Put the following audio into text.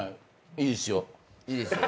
いいですよ。